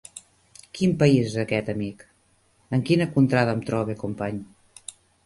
Quin país és aquest, amic? En quina contrada em trobe, company?